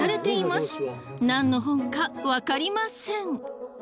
何の本か分かりません。